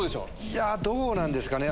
いやどうなんですかね。